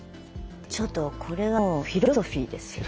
ちょっとこれはもうフィロソフィーですよね。